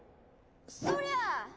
そりゃ！